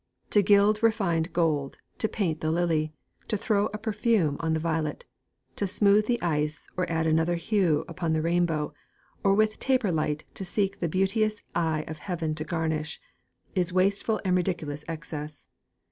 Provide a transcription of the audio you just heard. To gild refinèd gold, to paint the lily, To throw a perfume on the violet, To smooth the ice, or add another hue Unto the rainbow, or with taper light To seek the beauteous eye of heaven to garnish, Is wasteful and ridiculous excess.